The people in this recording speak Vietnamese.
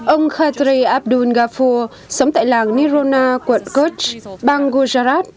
ông khatri abdul gafur sống tại làng niruna quận kach bang gujarat